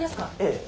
ええ。